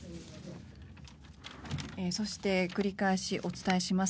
そして、繰り返しお伝えします。